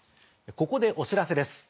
ここでお知らせです。